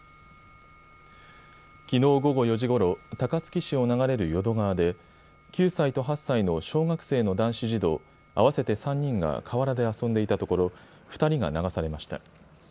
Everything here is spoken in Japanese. きのう午後４時ごろ、高槻市を流れる淀川で９歳と８歳の小学生の男子児童合わせて３人が河原で遊んでいたところ２人が流されました。